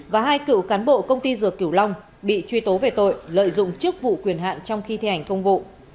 và hai cựu cán bộ công ty dược kiểu long bị truy tố về tội lợi dụng chức vụ quyền hạn trong khi thi hành công vụ